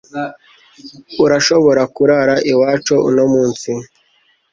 Urashobora kurara iwacu uno munsi